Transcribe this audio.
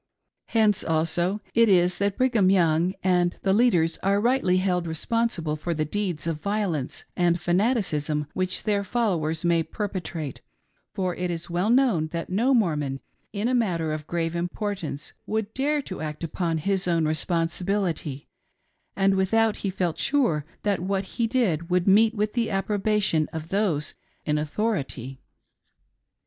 Hence also it is that Brigham Young and the leaders are rightly held responsible for the deeds of violence and fanaticism which their followers may perpetrate ; for it is well known that no Mormon, in a matter of grave importance, would dare to act upon his own responsibility and without he felt sure that what he did would meet with the approbation of those in authority.